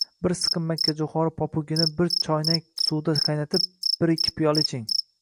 Bir siqim makkajo‘xori popugini bir choynak suvda qaynatib, bir-ikki piyola iching.